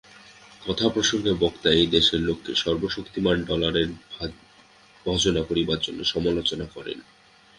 কথাপ্রসঙ্গে বক্তা এই দেশের লোককে সর্বশক্তিমান ডলারের ভজনা করিবার জন্য সমালোচনা করেন।